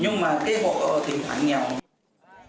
nhưng mà cái hộ tình hạn nghèo